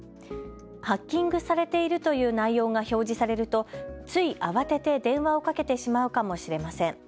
ハッキングされているという内容が表示されるとつい慌てて電話をかけてしまうかもしれません。